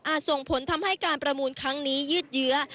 ส่งผลทำให้การประมูลครั้งนี้ยืดเยื้อ